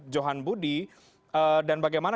johan budi dan bagaimana